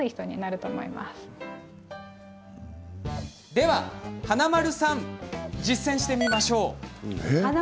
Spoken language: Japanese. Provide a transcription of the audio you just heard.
では華丸さん実践してみましょう。